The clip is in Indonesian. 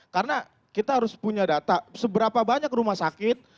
karena kita harus punya data seberapa banyak rumah sakit